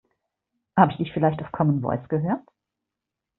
Habe ich dich vielleicht auf Common Voice gehört?